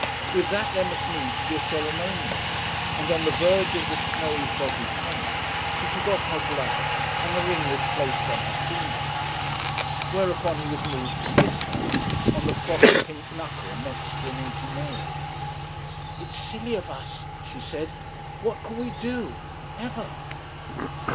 With that there must needs be a ceremonial, and on the verge of the snowy, foggy Common she took off her glove and the ring was placed on her finger. Whereupon he was moved to kiss her on the frost pink knuckle next to an inky nail. "It's silly of us," she said. "What can we do? ever?"